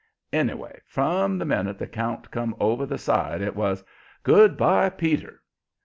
Anyway, from the minute the count come over the side it was "Good by, Peter."